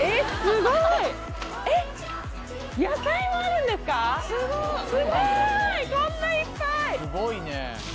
すごいね。